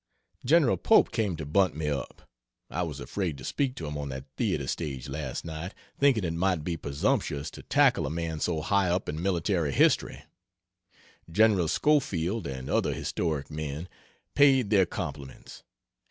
General Pope came to bunt me up I was afraid to speak to him on that theatre stage last night, thinking it might be presumptuous to tackle a man so high up in military history. Gen. Schofield, and other historic men, paid their compliments.